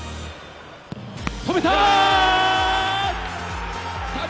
止めた！